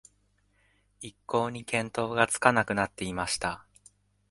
一向に見当がつかなくなっていました